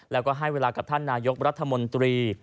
แล้วก็ให้เวลากับท่านนายกรัฐมนตรี